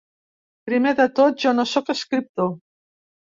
Primer de tot, jo no sóc escriptor.